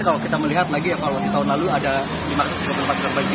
kalau kita melihat lagi evaluasi tahun lalu ada lima ratus dua puluh empat terbaik